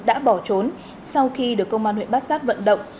đã bỏ trốn sau khi được công an huyện bát sát vận động